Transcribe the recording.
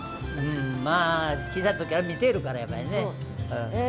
まあ小さい時から見ているからやっぱりね。